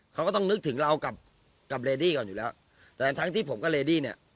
เขาก็ต้องนึกถึงเรากับกับเลดี้ก่อนอยู่แล้วแต่ทั้งที่ผมกับเลดี้เนี่ย